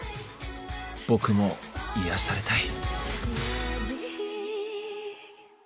僕も癒やされたい。